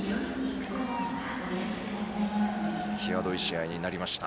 際どい試合になりました。